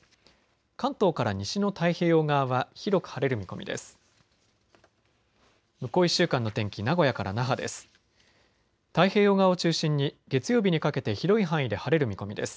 関東から西の太平洋側は広く晴れる見込みです。